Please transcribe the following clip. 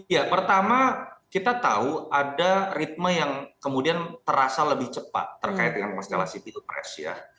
ya pertama kita tahu ada ritme yang kemudian terasa lebih cepat terkait dengan masalah sipil press ya